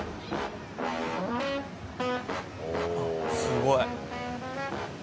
すごい。